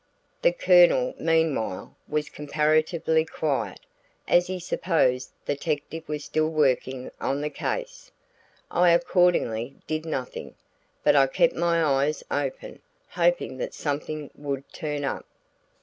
The Colonel, meanwhile, was comparatively quiet, as he supposed the detective was still working on the case. I accordingly did nothing, but I kept my eyes open, hoping that something would turn up.